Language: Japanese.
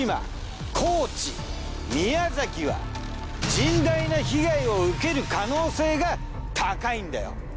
甚大な被害を受ける可能性が高いんだよ。